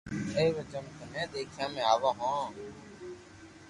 اي ري وجھ مون ٿني ديکيا ۾ آوو ھون